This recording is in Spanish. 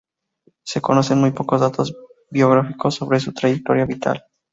Se conocen muy pocos datos biográficos sobre su trayectoria vital.